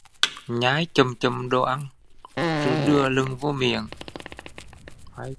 Nhai chậm chậm đồ ăn rồi đừa lần vô miệng